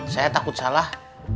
saya takut salah